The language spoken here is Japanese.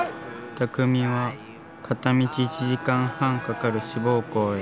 たくみは片道１時間半かかる志望校へ。